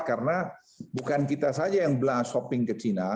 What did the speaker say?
karena bukan kita saja yang belah shopping ke china